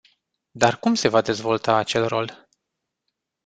Dar cum se va dezvolta acel rol?